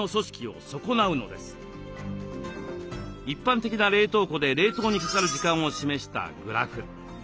一般的な冷凍庫で冷凍にかかる時間を示したグラフ。